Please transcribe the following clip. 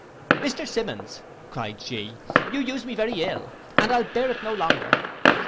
'Mr Symmonds,' cried she, 'you use me very ill, and I'll bear it no longer.